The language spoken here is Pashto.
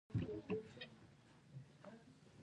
آیا اتحادیې ګټورې دي؟